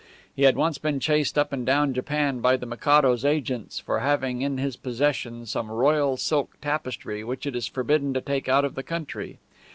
He had once been chased up and down Japan by the Mikado's agents for having in his possession some royal silk tapestry which it is forbidden to take out of the country.